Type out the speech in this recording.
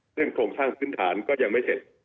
ซึ่งโครงสร้างพื้นฐานก็ยังไม่เสร็จ